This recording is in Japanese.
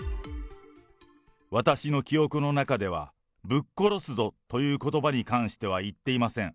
私の記憶の中では、ぶっ殺すぞということばに関しては、言っていません。